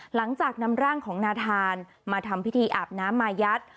หลังจากนำร่างของนาธานมาทำพิธีอาบน้ำมายัด